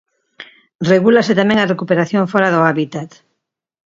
Regúlase tamén a recuperación fóra do hábitat.